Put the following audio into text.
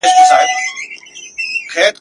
دا سفر یو طرفه دی نسته لار د ستنېدلو ..